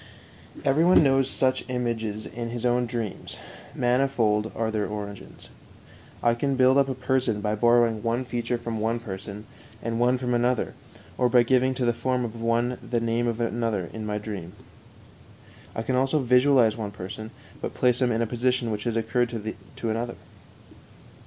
Every one knows such images in his own dreams; manifold are their origins. I can build up a person by borrowing one feature from one person and one from another, or by giving to the form of one the name of another in my dream. I can also visualize one person, but place him in a position which has occurred to another.